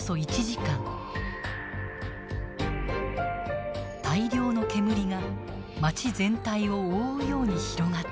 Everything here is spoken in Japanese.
大量の煙が街全体を覆うように広がっていました。